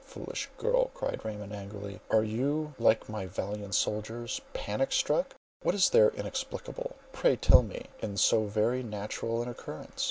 "Foolish girl," cried Raymond angrily, "are you like my valiant soldiers, panic struck? What is there inexplicable, pray, tell me, in so very natural an occurrence?